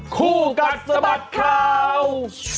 คู่กัดสมัครข่าว